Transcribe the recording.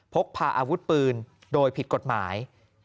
พกพาอาวุธปืนโดยผิดกฎหมาย